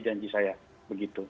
janji saya begitu